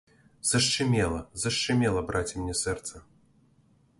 Зашчымела, зашчымела, браце, мне сэрца!